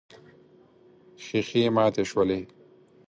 ښيښې ماتې شولې.